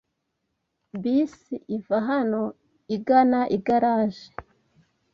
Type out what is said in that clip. Bisi iva hano igana igaraje.